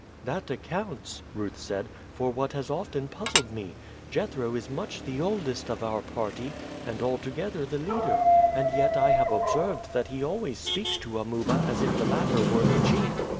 "That accounts," Ruth said, "for what has often puzzled me. Jethro is much the oldest of our party, and altogether the leader, and yet I have observed that he always speaks to Amuba as if the latter were the chief."